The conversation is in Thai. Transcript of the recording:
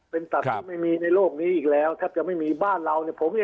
เป็นสัตว์ที่ไม่มีในโลกนี้อีกแล้วแทบจะไม่มีบ้านเราเนี่ย